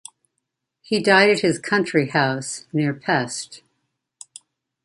He died at his country house, near Pest.